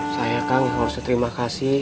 saya kang yang harusnya terima kasih